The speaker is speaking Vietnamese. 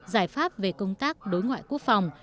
giải pháp về công tác đối ngoại quốc phòng